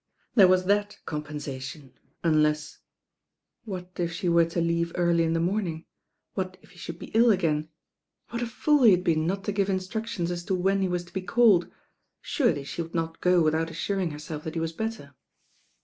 There was that compensation, unless What if she were to leave early in the morning? What if he should be iU agam? What a fool he had been not to give instruc tions as to when he waat to be caUed. Surely she would not go without assuring herself that he was better.